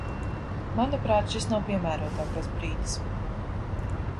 Manuprāt, šis nav piemērotākais brīdis.